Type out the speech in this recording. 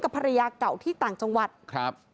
ภรรยาเก่าที่ต่างจังหวัดครับ